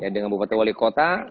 dengan bupati wali kota